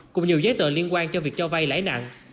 cùng nhiều giấy tờ liên quan cho việc cho vay lãi nặng